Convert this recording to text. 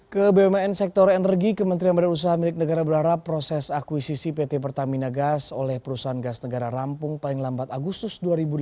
ke bumn sektor energi kementerian badan usaha milik negara berharap proses akuisisi pt pertamina gas oleh perusahaan gas negara rampung paling lambat agustus dua ribu delapan belas